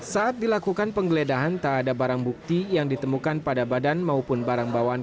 saat dilakukan penggeledahan tak ada barang bukti yang ditemukan pada badan maupun barang bawaan